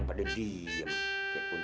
takanyain pada diem